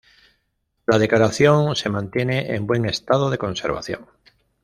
La decoración se mantiene en buen estado de conservación.